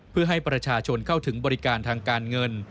เพื่อให้ประชาชนเข้าถึงบริการทางการเงิน